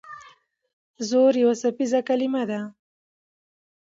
زور یو څپیزه کلمه ده.